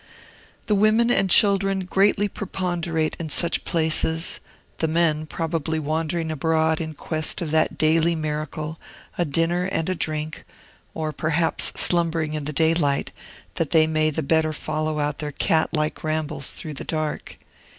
The women and children greatly preponderate in such places; the men probably wandering abroad in quest of that daily miracle, a dinner and a drink, or perhaps slumbering in the daylight that they may the better follow out their cat like rambles through the dark.